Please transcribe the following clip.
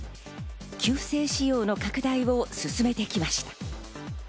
旧姓使用の拡大を進めてきました。